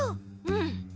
うん。